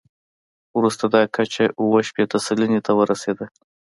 وروسته دا کچه اووه شپېته سلنې ته ورسېده.